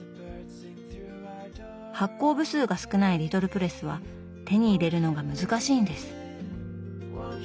発行部数が少ないリトルプレスは手に入れるのが難しいんです。